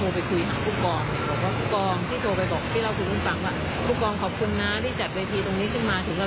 อะไรอย่างเงี้ยเราก็เลยรวมหัวกันแบ็คเมย์รู้เปล่าวะ